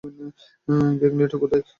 Gang leader কোথায়?